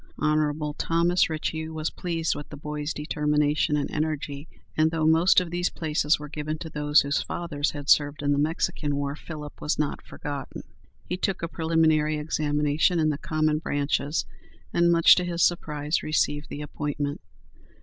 Hon. Thomas Ritchey was pleased with the boy's determination and energy, and though most of these places were given to those whose fathers had served in the Mexican War, Philip was not forgotten. He took a preliminary examination in the common branches, and much to his surprise, received the appointment.